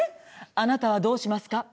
あなたはどうしますか？